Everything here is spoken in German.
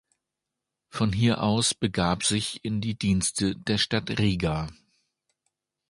Von hier aus begab sich in die Dienste der Stadt Riga.